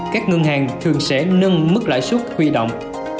các ngân hàng thường sẽ nâng mức lãi suất huy động